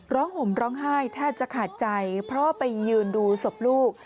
ห่มร้องไห้แทบจะขาดใจเพราะว่าไปยืนดูศพลูก